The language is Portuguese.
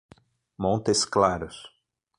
Montes Claros